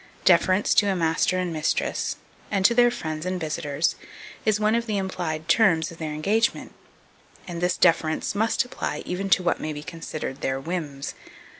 Deference to a master and mistress, and to their friends and visitors, is one of the implied terms of their engagement; and this deference must apply even to what may be considered their whims.